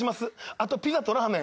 あとピザとラーメン。